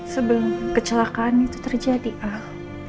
sebelum kecelakaan itu terjadi al